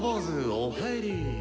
おかえり。